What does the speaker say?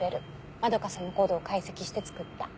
円さんのＣＯＤＥを解析して作った。